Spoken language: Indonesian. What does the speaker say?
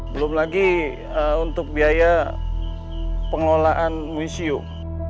belum lagi untuk biaya pengelolaan museum